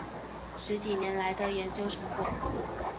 十几年来的研究成果